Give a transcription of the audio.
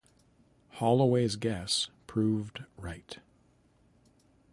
Holloway's guess proved right.